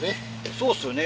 そうですよね